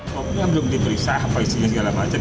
kopinya belum diperiksa apa isinya segala macam